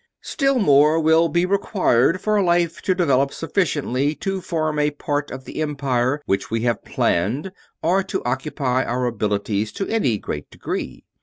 Still more will be required for life to develop sufficiently to form a part of the empire which we have planned or to occupy our abilities to any great degree.